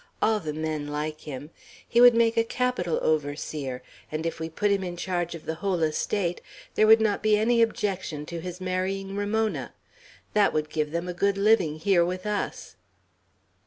All the men like him; he would make a capital overseer; and if we put him in charge of the whole estate, there would not be any objection to his marrying Ramona. That would give them a good living here with us."